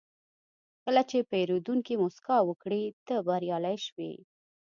کله چې پیرودونکی موسکا وکړي، ته بریالی شوې.